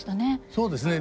そうですね。